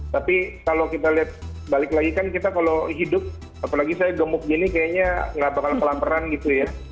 tapi kalau kita lihat balik lagi kan kita kalau hidup apalagi saya gemuk gini kayaknya nggak bakal pelampiran gitu ya